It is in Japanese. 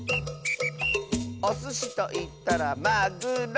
「おすしといったらまぐろ！」